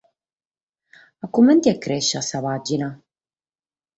Comente est crèschida sa pàgina?